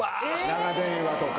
長電話とか。